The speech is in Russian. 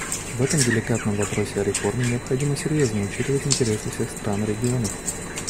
В этом деликатном вопросе о реформе необходимо серьезно учитывать интересы всех стран и регионов.